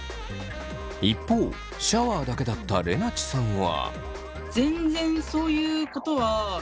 一方シャワーだけだったれなちさんは。